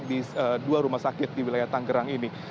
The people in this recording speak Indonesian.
di dua rumah sakit di wilayah tanggerang ini